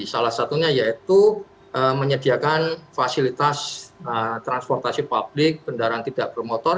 salah satunya yaitu menyediakan fasilitas transportasi publik kendaraan tidak bermotor